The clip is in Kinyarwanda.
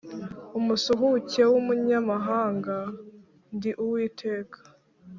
umusuhuke w umunyamahanga Ndi Uwiteka